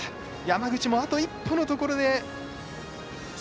山口もあと一歩のところで。